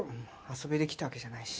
遊びで来たわけじゃないし。